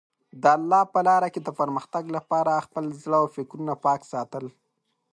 د الله په لاره کې د پرمختګ لپاره خپل زړه او فکرونه پاک ساتل.